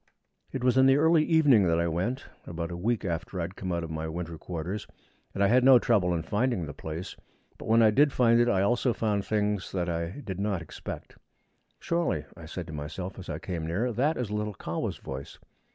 It was in the early evening that I went, about a week after I had come out of my winter quarters, and I had no trouble in finding the place; but when I did find it I also found things that I did not expect. 'Surely,' I said to myself as I came near, 'that is little Kahwa's voice!'